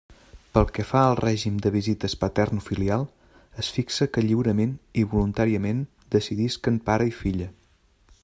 Pel que fa al règim de visites paternofilial, es fixa que lliurament i voluntàriament decidisquen pare i filla.